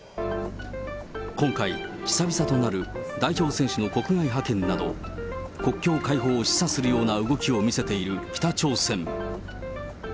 今回、久々となる代表選手の国外派遣など、国境開放を示唆するような動きを見せている北朝鮮。